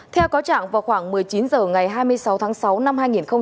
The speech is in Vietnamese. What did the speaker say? theo có trạng vào khoảng một mươi chín h ngày hai mươi sáu tháng sáu năm hai nghìn một mươi tám